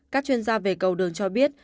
các chuyên gia về cầu đường cho biết